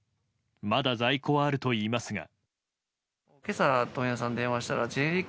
まだ在庫はあるといいますが。